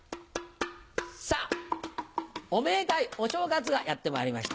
さぁおめでたいお正月がやってまいりました。